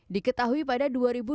diketahui pada dua ribu dua puluh